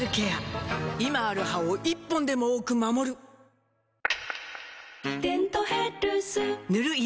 今ある歯を１本でも多く守る「デントヘルス」塗る医薬品も